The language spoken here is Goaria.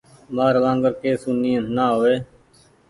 مآر وانگر ڪي سون ني هووي۔